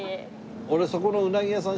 俺そこのうなぎ屋さん